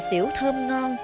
cà xỉu thơm ngon